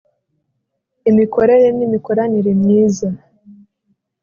imikorere ni mikoranire myiza